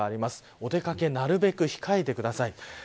お出掛けなるべく控えてください。